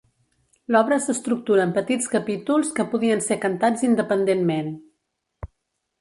L'obra s'estructura en petits capítols que podien ser cantats independentment.